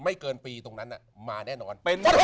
ไม่เกินปีตรงนั้นน่ะมาแน่นอน